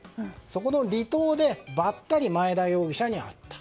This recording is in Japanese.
そこの離島で、ばったりマエダ容疑者に会った。